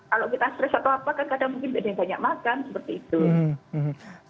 kalau kita stres atau apa kan kadang mungkin tidak ada yang banyak makan seperti itu